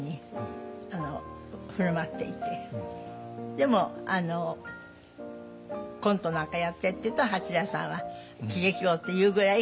でもコントなんか「やって」って言うと八大さんは喜劇王っていうぐらい上手に。